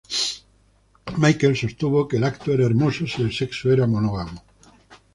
Michael sostuvo que el acto era hermoso si el sexo era monógamo.